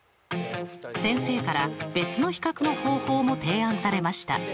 先生から別の比較の方法も提案されました。